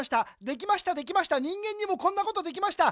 できましたできました人間にもこんなことできました